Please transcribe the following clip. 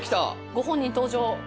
ご本人登場。